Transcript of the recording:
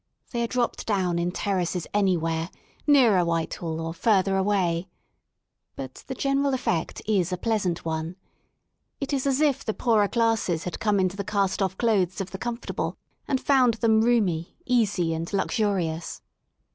They are dropped down in terraces anywhere, nearer Whitehall, or further away* But the general efifect is a pleasant one. It is as if the poorer classes had come into the cast off clothes of the comfortable, and found them roomy, easy and luxurious.